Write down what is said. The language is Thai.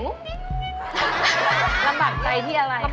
ลำบากใจที่อะไร